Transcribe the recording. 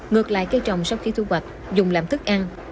ngược lại cây trồng sau khi thu hoạch dùng làm thức ăn